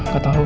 gak tau gue